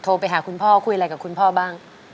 ไปหาคุณพ่อคุยอะไรกับคุณพ่อบ้าง